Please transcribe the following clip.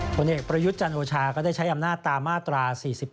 ผลเอกประยุทธ์จันโอชาก็ได้ใช้อำนาจตามมาตรา๔๔